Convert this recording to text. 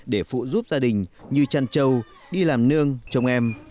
để phụ giúp gia đình như chăn trâu đi làm nương trồng em